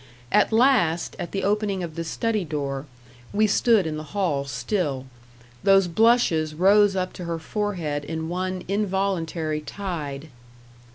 At last, at the opening of the study door we stood in the hall still those blushes rose up to her forehead in one involuntary tide.